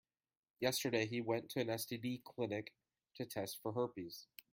Yesterday, he went to an STD clinic to test for herpes.